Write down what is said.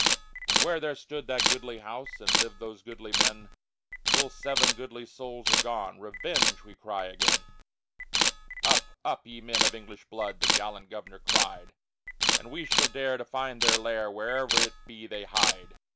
And where there stood that goodly house And lived those goodly men, Full seven goodly souls are gone. Revenge, we cry again! II Up, up, ye men of English blood! The gallant governor cried, And we shall dare to find their lair, Where'er it be they hide.